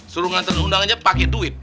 suruh ngantret undangannya pake duit